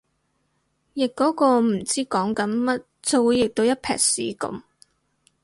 譯嗰個唔知講緊乜就會譯到一坺屎噉